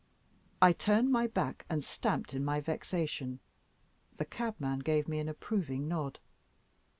I turned my back and stamped in my vexation; the cabman gave me an approving nod.